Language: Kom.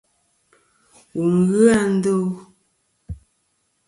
Wù n-ghɨ a ndo.